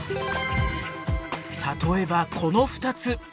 例えばこの２つ。